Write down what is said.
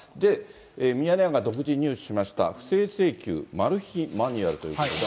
ミヤネ屋が独自に入手しました、不正請求マル秘マニュアルということで。